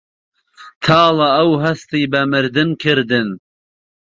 تاڵە ئەو هەستی بە مردن کردن